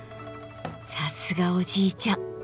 さすがおじいちゃん。